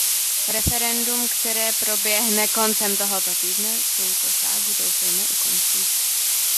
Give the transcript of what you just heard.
Referendum, které proběhne koncem tohoto týdne, tuto ságu doufejme ukončí.